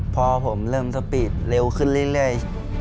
พอผมเริ่มสปีดเร็วขึ้นเรื่อย